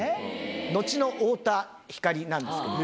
後の太田光なんですけど。